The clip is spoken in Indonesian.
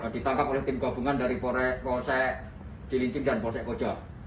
ditangkap oleh tim gabungan dari polsek cilincing dan polsek koja